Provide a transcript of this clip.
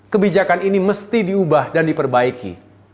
kebijakan ini mesti diubah dan diperbaiki